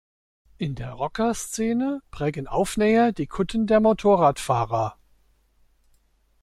In der Rockerszene prägen Aufnäher die Kutten der Motorradfahrer.